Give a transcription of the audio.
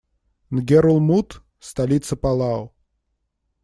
Нгерулмуд - столица Палау.